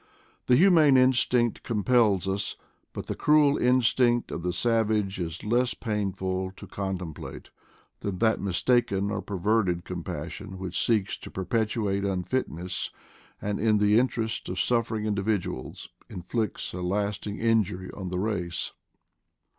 The humane instinct compels us; but the cruel instinct of the savage is less painful to con template than that mistaken or perverted compas sion which seeks to perpetuate unfitness, and in the interest of suffering individuals inflicts a last ing injury on the race.